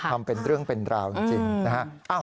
ทำเป็นเรื่องเป็นราวจริงนะฮะ